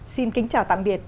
xin kính chào tạm biệt